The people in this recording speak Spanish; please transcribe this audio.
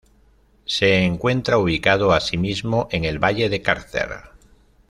Se encuentra ubicado, así mismo, en el Valle de Cárcer.